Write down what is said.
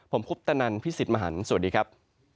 ผมคุปตะนันพี่สิทธิ์มหันฯสวัสดีครับ